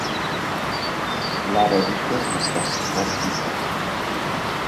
La radiko estas fortika.